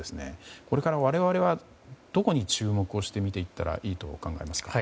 これから我々はどこに注目をして見ていったらいいとお考えですか。